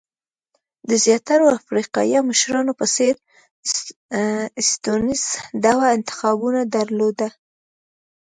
د زیاترو افریقایي مشرانو په څېر سټیونز دوه انتخابونه درلودل.